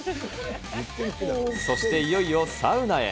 そして、いよいよサウナへ。